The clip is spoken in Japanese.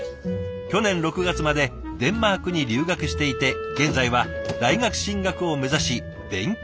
去年６月までデンマークに留学していて現在は大学進学を目指し勉強中。